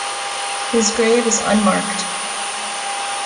His grave is unmarked.